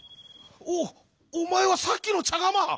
おおまえはさっきのちゃがま！」。